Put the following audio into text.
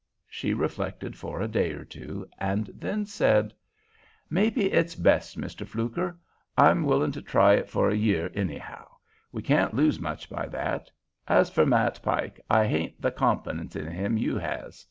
She reflected for a day or two, and then said: "Maybe it's best, Mr. Fluker. I'm willin' to try it for a year, anyhow. We can't lose much by that. As for Matt Pike, I hain't the confidence in him you has.